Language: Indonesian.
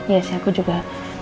ya sih aku juga